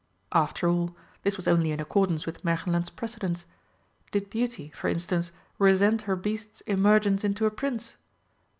After all, this was only in accordance with Märchenland's precedents. Did Beauty, for instance, resent her Beast's emergence into a Prince?